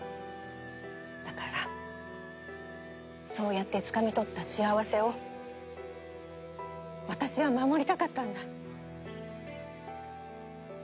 だからそうやってつかみ取った幸せを私は守りたかったんだ。